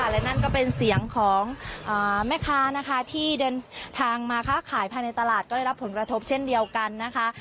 และนั่นก็เป็นเสียงของแม่ค้านะคะที่เดินทางมาค้าขายภายในตลาดก็ได้รับผลกระทบเช่นเดียวกันนะคะ